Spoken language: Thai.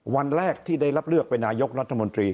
วันแรกที่ได้รับเลือกเป็นนายกรัฐมนตรี